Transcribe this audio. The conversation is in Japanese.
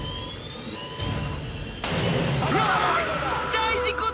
大事故だ。